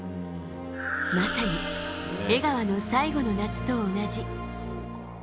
まさに江川の最後の夏と同じ！